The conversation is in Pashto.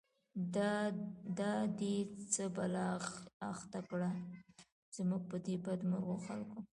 دا دی څه بلا اخته کړه، زموږ په دی بد مرغو خلکو